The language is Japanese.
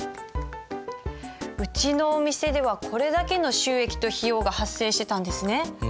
うちのお店ではこれだけの収益と費用が発生してたんですね。